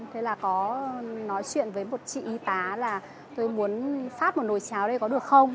thế là có nói chuyện với một chị y tá là tôi muốn phát một nồi cháo đây có được không